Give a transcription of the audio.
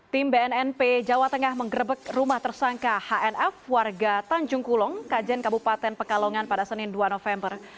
tim bnnp jawa tengah menggerebek rumah tersangka hnf warga tanjung kulong kajen kabupaten pekalongan pada senin dua november